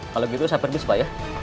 kalau gitu saya perbis pak ya